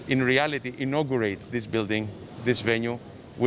ini adalah untuk atlet berjalan ke venue